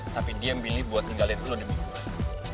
tapi dia milih buat ngendalin lo demi gue